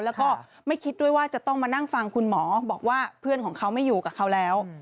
แล้วก็ไม่คิดด้วยว่าจะต้องมานั่งฟังคุณหมอบอกว่าเพื่อนของเขาไม่อยู่กับเขาแล้ว